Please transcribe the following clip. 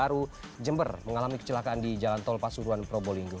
baru jember mengalami kecelakaan di jalan tol pasuruan probolinggo